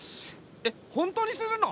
えっ本当にするの？